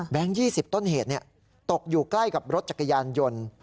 ๒๐ต้นเหตุตกอยู่ใกล้กับรถจักรยานยนต์